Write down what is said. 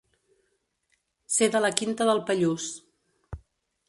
Ser de la quinta del Pallús.